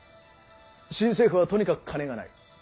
新政府はとにかく金がない。